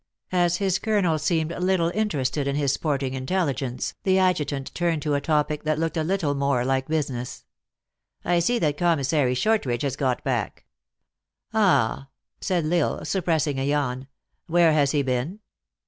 As his colonel seemed little interested in his sport THE ACTRESS IN HIGH LIFE. 61 ing intelligence, the adjutant turned to a topic that looked a little more like business. "I see that Com missary Shortridge has got back." "Ah!" said L Isle, suppressing a yawn, "where has he been?"